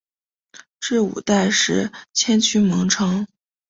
至五代时迁居蒙城。